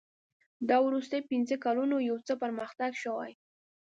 دا وروستي پنځه کلونه یو څه پرمختګ شوی.